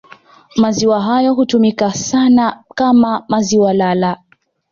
Maziwa hayo hutumika sana kama maziwa lala